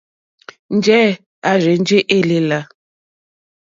Njɛ̂ à rzênjé èlèlà.